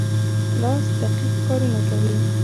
لاس دقیق کارونه کوي.